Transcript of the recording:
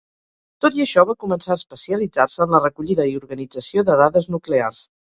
Tot i això, va començar a especialitzar-se en la recollida i organització de dades nuclears.